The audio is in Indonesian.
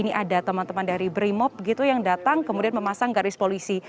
ini ada teman teman dari brimob gitu yang datang kemudian memasang garis polisi